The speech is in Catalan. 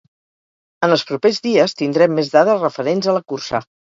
En els propers dies tindrem més dades referents a la cursa.